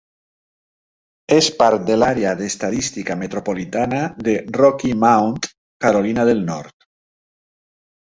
És part de l'àrea d'estadística metropolitana de Rocky Mount, Carolina del Nord.